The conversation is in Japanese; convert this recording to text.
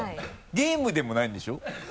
ゲームでもないんでしょ？